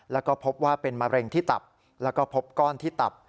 แล้วก็พบว่าเป็นมะเร็งที่ตับแล้วก็พบก้อนที่ตับ